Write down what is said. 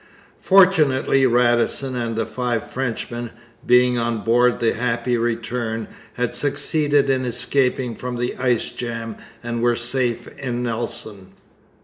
Fortunately Radisson and the five Frenchmen, being on board the Happy Return, had succeeded in escaping from the ice jam and were safe in Nelson.